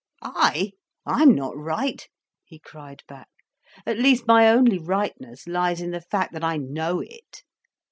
"I?—I'm not right," he cried back. "At least my only rightness lies in the fact that I know it.